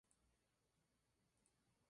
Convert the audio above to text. Con ello consiguen remodelar el futuro.